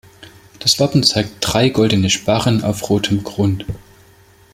Das Wappen zeigt drei goldene Sparren auf rotem Grund.